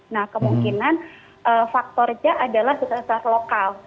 nah kemungkinan faktornya adalah sasar lokal